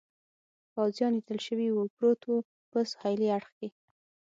پوځیان لیدل شوي و، پروت و، په سهېلي اړخ کې.